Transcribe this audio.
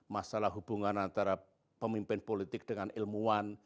masalah hubungan antara pemimpin politik dengan ilmuwan